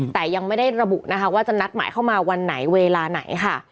แต่ยังไม่ได้ระบุนะคะว่าจะนัดหมายเข้ามาวันไหนเวลาไหนค่ะ